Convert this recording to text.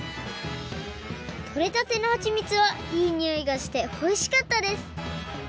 とれたてのはちみつはいいにおいがしておいしかったです！